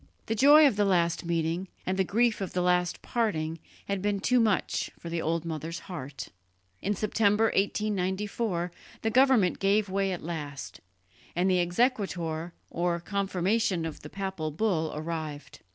The joy of the last meeting and the grief of the last parting had been too much for the old mother's heart. In September 1894 the government gave way at last, and the exequatur or confirmation of the papal bull arrived.